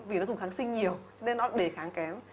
vì nó dùng kháng sinh nhiều nên nó đề kháng kém